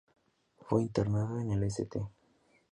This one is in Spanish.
Fue internado en el St.